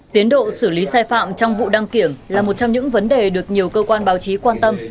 tiến độ xử lý sai phạm trong vụ đăng kiểm là một trong những vấn đề được nhiều cơ quan báo chí quan tâm